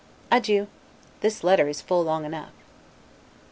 Adieu! This letter is full long enough.